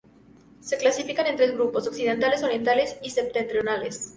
Se clasifican en tres grupos: occidentales, orientales y septentrionales.